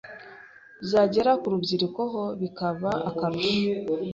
byagera ku rubyiruko ho bikaba akarusho